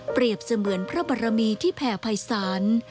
เปรียบเสมือนพระบรมีที่แผ่ภายศาล